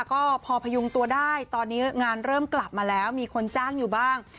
ก็พอพยุงตัวได้ตอนนี้งานเริ่มกลับมาแล้วมีคนจ้างอยู่บ้าง